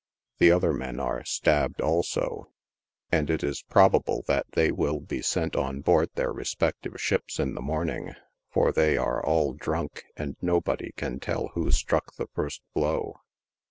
The other men are stabbed, also, and it 13 probable that they will be sent on board their respective ships in the morning, for they are all drunk and nobody can tell who struck the first blow.